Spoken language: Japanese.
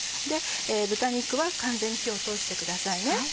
豚肉は完全に火を通してくださいね。